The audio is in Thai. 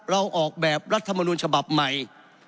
ออกแบบรัฐมนุนฉบับใหม่